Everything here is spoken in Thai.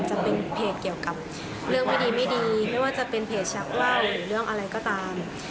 จะเป็นเพจเกี่ยวกับเรื่องไม่ดีไม่ดีไม่ว่าจะเป็นเพจชักว่าหรือเรื่องอะไรก็ตาม